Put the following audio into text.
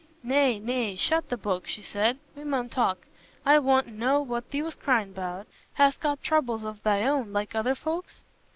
"Nay, nay, shut the book," she said. "We mun talk. I want t' know what thee was cryin' about. Hast got troubles o' thy own, like other folks?"